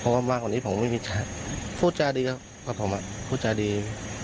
เพราะว่ามากกว่านี้ผมไม่มีชาติพูดชาดีกับผมอ่ะพูดชาดี